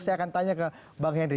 saya akan tanya ke bang henry